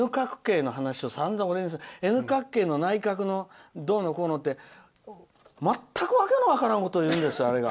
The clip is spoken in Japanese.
Ｎ角形の内角のどうのこうのって全くわけの分からないことを言うんですよ。